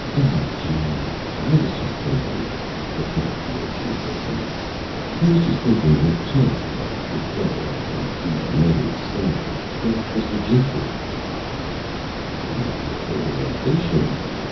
"Oh, gee! I was just Thinking," replied the Urchin, brokenly. "I was just Thinking what chance have I got to grow up and be the Main Stem, like Mr. Jeffries." [Illustration: THE KID] "What a perverted Ambition!"